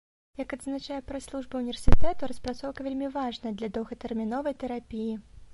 Як адзначае прэс-служба ўніверсітэту, распрацоўка вельмі важная для доўгатэрміновай тэрапіі.